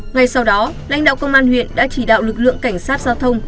ngay sau đó lãnh đạo công an huyện đã chỉ đạo lực lượng cảnh sát giao thông